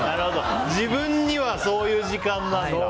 自分にはそういう時間なんだ。